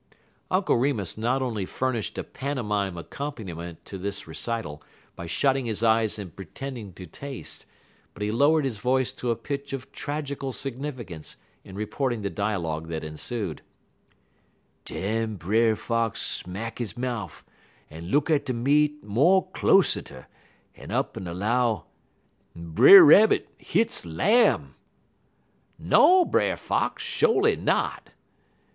Uncle Remus not only furnished a pantomime accompaniment to this recital by shutting his eyes and pretending to taste, but he lowered his voice to a pitch of tragical significance in reporting the dialogue that ensued: "Den Brer Fox smack he mouf en look at de meat mo' closeter, en up'n 'low: "'Brer Rabbit, hit's lam'!' "'No, Brer Fox! _sho'ly not!